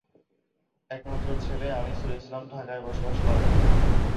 একমাত্র ছেলে আনিসুল ইসলাম ঢাকায় বসবাস করেন।